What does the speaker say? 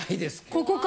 ここか。